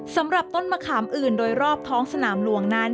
สำหรับต้นมะขามอื่นโดยรอบท้องสนามหลวงนั้น